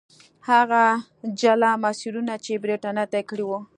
هغه جلا مسیرونه چې برېټانیا طی کړي وو.